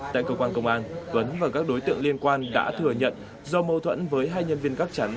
tại cơ quan công an tuấn và các đối tượng liên quan đã thừa nhận do mâu thuẫn với hai nhân viên gác chắn